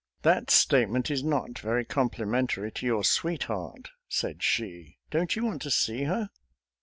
That statement is not very complimentary to your sweetheart," said she. " Don't you want to see her?